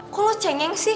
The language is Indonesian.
kok lo cengeng sih